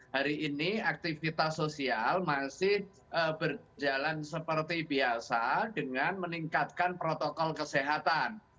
hari ini aktivitas sosial masih berjalan seperti biasa dengan meningkatkan protokol kesehatan